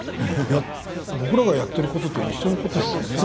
僕らがやっていることと一緒のことですよね。